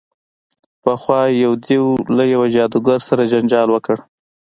پخوا یو دیو له یوه جادوګر سره جنجال وکړ.